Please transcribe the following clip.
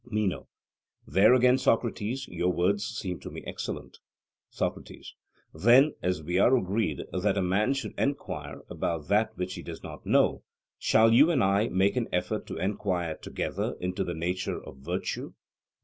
MENO: There again, Socrates, your words seem to me excellent. SOCRATES: Then, as we are agreed that a man should enquire about that which he does not know, shall you and I make an effort to enquire together into the nature of virtue?